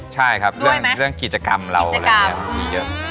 ใช่ครับเรื่องกิจกรรมเราอะไรอย่างนี้มีเยอะ